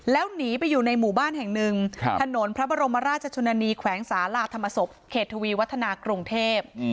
แล้วหนีไปอยู่ในหมู่บ้านแห่งหนึ่งถนนพระบรมราชชนนีแขวงศาลาธรรมศพเขตทวีวัฒนากรุงเทพ